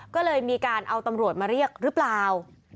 ก็เลยมีการเอาตำรวจมาเรียกหรือเปล่า